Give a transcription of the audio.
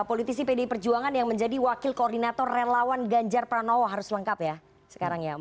politisi pdi perjuangan yang menjadi wakil koordinator relawan ganjar pranowo harus lengkap ya sekarang ya